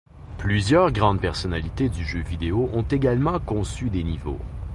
Plusieurs grandes personnalités du jeu vidéo ont également conçus des niveaux.